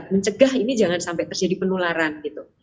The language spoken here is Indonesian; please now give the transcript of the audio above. mencegah ini jangan sampai terjadi penularan gitu